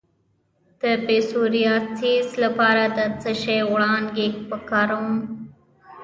د پسوریازیس لپاره د څه شي وړانګې وکاروم؟